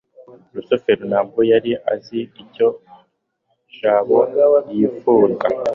rusufero ntabwo yari azi icyo jabo yifuza